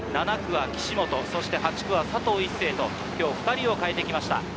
７区は岸本、そして８区は佐藤一世と、きょう、２人を代えてきました。